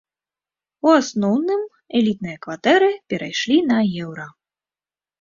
У асноўным элітныя кватэры перайшлі на еўра.